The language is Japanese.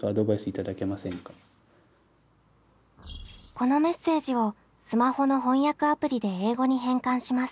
このメッセージをスマホの翻訳アプリで英語に変換します。